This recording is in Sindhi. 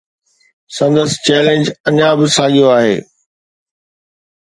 سندس چيلنج اڃا به ساڳيو آهي.